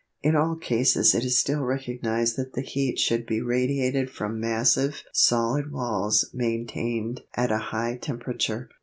In all cases it is still recognised that the heat should be radiated from massive solid walls maintained at a high temperature.